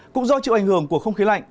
cũng do chịu ảnh hưởng của không khí lạnh